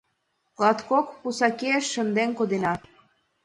Латкок пусакеш шынден кодена.